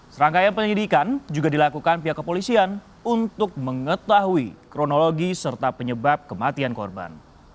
serangkaian penyidikan juga dilakukan pihak kepolisian untuk mengetahui kronologi serta penyebab kematian korban